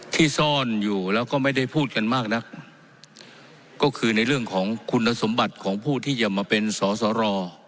ซ่อนอยู่แล้วก็ไม่ได้พูดกันมากนักก็คือในเรื่องของคุณสมบัติของผู้ที่จะมาเป็นสอสร